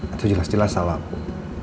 itu jelas jelas salah bu